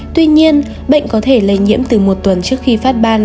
tuy nhiên bệnh có thể lây nhiễm từ một tuần trước khi phát ban